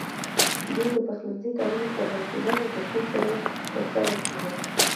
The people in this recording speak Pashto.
مور د پخلنځي کارونه په حوصله او ترتيب سره ترسره کړل.